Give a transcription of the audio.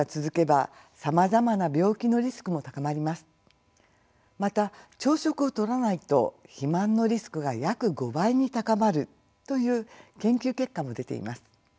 また朝食をとらないと肥満のリスクが約５倍に高まるという研究結果も出ています。